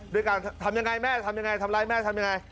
ด้วยการทำยังไงแม่ทำยังไงทำร้ายแม่ทำยังไง